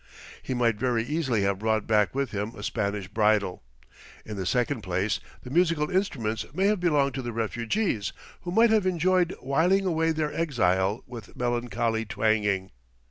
He might very easily have brought back with him a Spanish bridle. In the second place the musical instruments may have belonged to the refugees, who might have enjoyed whiling away their exile with melancholy twanging.